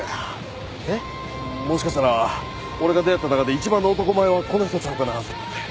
もしかしたら俺が出会った中で一番の男前はこの人ちゃうかなぁと思って。